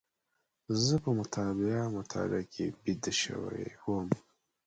زه په مطالعه مطالعه کې بيده شوی وم.